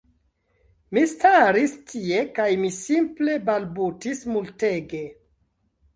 Mi staris tie kaj mi simple balbutis multege